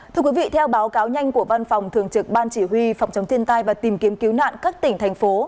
thưa quý vị theo báo cáo nhanh của văn phòng thường trực ban chỉ huy phòng chống thiên tai và tìm kiếm cứu nạn các tỉnh thành phố